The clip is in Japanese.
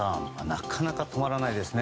なかなか止まらないですね。